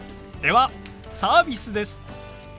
ではサービスです。